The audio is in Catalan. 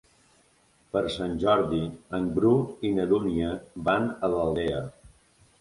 Per Sant Jordi en Bru i na Dúnia van a l'Aldea.